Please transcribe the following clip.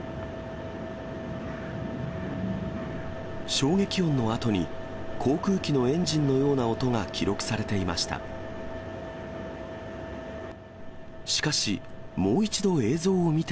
衝撃音のあとに、航空機のエンジンのような音が記録されていました。